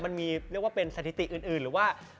เรียกว่าเป็นสถิติอื่นหรือว่า